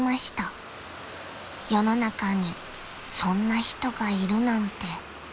［世の中にそんな人がいるなんて］